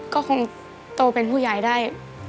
ก็คงโตเป็นผู้ใหญ่ได้